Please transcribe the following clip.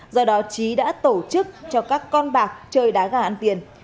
do đó trí đã tổ chức cho các con bạc chơi đá gà ăn tiền